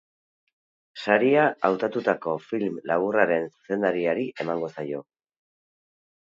Saria hautatutako film laburraren zuzendariari emango zaio.